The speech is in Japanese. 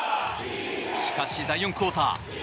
しかし、第４クオーター。